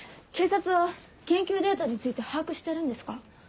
警察は研究データについて把握してるんですか？